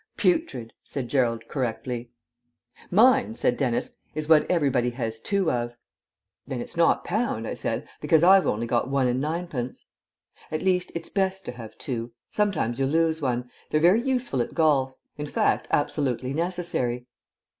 "'Putrid,'" said Gerald correctly. "Mine," said Dennis, "is what everybody has two of." "Then it's not 'pound,'" I said, "because I've only got one and ninepence." "At least, it's best to have two. Sometimes you lose one. They're very useful at golf. In fact, absolutely necessary."